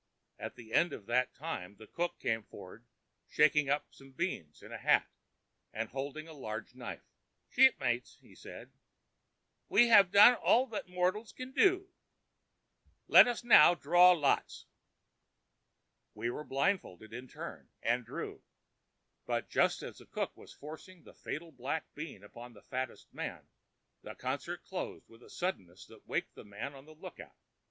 At the end of that time the cook came for'd shaking up some beans in a hat, and holding a large knife. "Shipmates," said he, "we have done all that mortals can do. Let us now draw lots." We were blindfolded in turn, and drew, but just as the cook was forcing the fatal black bean upon the fattest man, the concert closed with a suddenness that waked the man on the lookout.